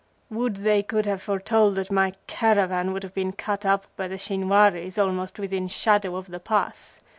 "Would they could have foretold that my caravan would have been cut up by the Shinwaris almost within shadow of the Pass!"